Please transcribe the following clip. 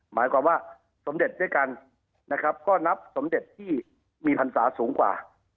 หมายความว่าสมเด็จด้วยกันนะครับก็นับสมเด็จที่มีพรรษาสูงกว่า